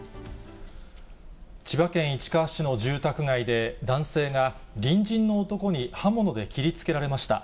千葉県市川市の住宅街で、男性が隣人の男に刃物で切りつけられました。